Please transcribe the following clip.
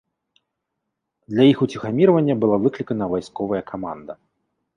Для іх уціхамірвання была выклікана вайсковая каманда.